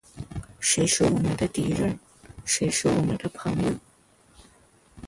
谁是我们的敌人？谁是我们的朋友？